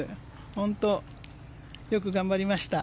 本当によく頑張りました。